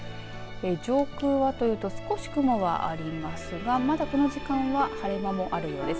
上空はというと少し雲がありますがまだこの時間は晴れ間もあるようです。